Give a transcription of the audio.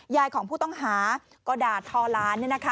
ของผู้ต้องหาก็ด่าทอหลาน